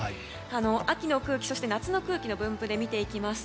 秋の空気、そして夏の空気の分布で見ていきます。